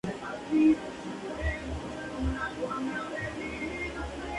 Comenzó a escribir ampliamente.